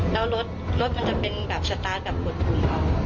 แล้วรถรถมันจะเป็นแบบสตาร์ทแบบหัวถุง